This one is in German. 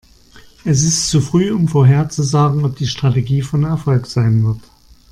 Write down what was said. Es ist zu früh, um vorherzusagen, ob die Strategie von Erfolg sein wird.